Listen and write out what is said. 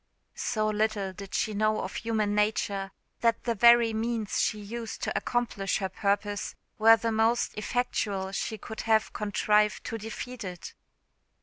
So little did she know of human nature that the very means she used to accomplish her purpose were the most effectual she could have contrived to defeat it.